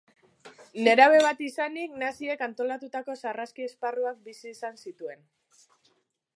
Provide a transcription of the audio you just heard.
Nerabe bat izanik, naziek antolatutako sarraski esparruak bizi izan zituen.